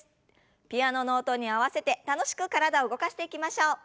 ピアノの音に合わせて楽しく体を動かしていきましょう。